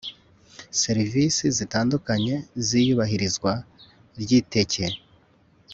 serivisi zitandukanye z' iyubahirizwa ry'iteke